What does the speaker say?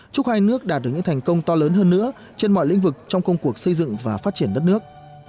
chúc hai nước đạt được những thành công to lớn hơn nữa trên mọi lĩnh vực trong công cuộc xây dựng và phát triển đất nước